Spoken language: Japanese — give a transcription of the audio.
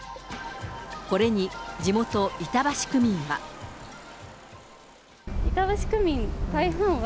これに地元、板橋区民は。